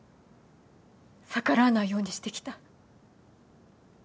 逆らわないようにしてきた。